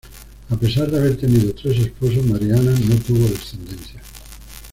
A pesar de haber tenido tres esposos, María Ana no tuvo descendencia.